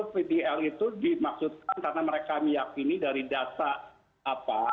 vtl itu dimaksudkan karena mereka meyakini dari data apa